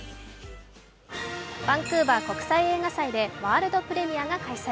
バンクーバー国際映画祭でワールドプレミアが開催。